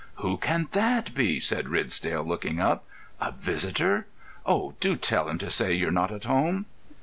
"Who can that be?" said Ridsdale, looking up. "A visitor! Oh, do tell him to say you're not at home."